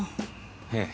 ええ。